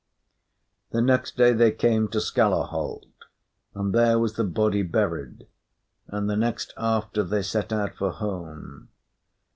The next day they came to Skalaholt, and there was the body buried, and the next after they set out for home.